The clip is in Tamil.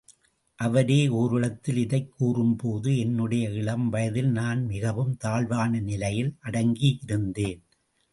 அவரே ஓரிடத்தில் இதைக் கூறும்போது, என்னுடைய இளம் வயதில் நான் மிகவும் தாழ்வான நிலையில் அடங்கி இருந்தேன்.